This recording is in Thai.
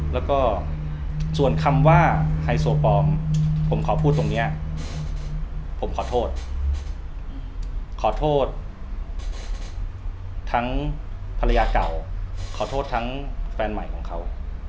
แล้วก็ส่วนคำว่าไฮโซปลอมผมขอพูดตรงนี้ผมขอโทษขอโทษทั้งภรรยาเก่าขอโทษทั้งแฟนใหม่ของเขา